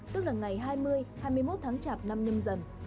tức là ngày hai mươi hai mươi một tháng chạp năm nhâm dần